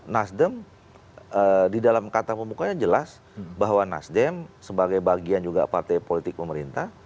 nasdem di dalam kata pembukanya jelas bahwa nasdem sebagai bagian juga partai politik pemerintah